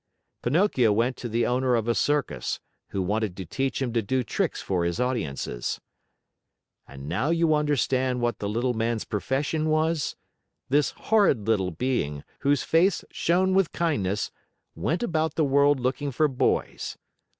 Pinocchio went to the owner of a circus, who wanted to teach him to do tricks for his audiences. And now do you understand what the Little Man's profession was? This horrid little being, whose face shone with kindness, went about the world looking for boys.